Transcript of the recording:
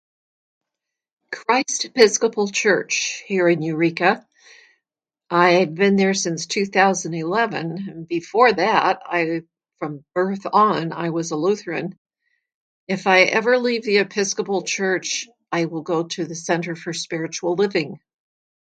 Christ Episcopal Church here in Eureka. I've been there since two thousand eleven and before that I, form birth on I was a Lutheran. If I every leave the Episcopal Church I will go to the Center for Spiritual Living.